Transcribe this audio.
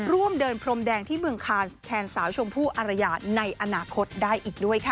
เดินพรมแดงที่เมืองคานแทนสาวชมพู่อารยาในอนาคตได้อีกด้วยค่ะ